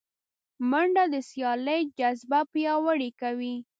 منډه د سیالۍ جذبه پیاوړې کوي